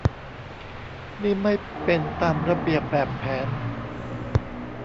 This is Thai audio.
นี่ไม่เป็นตามระเบียบแบบแผน